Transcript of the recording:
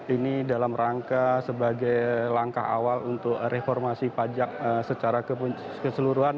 ini dalam rangka sebagai langkah awal untuk reformasi pajak secara keseluruhan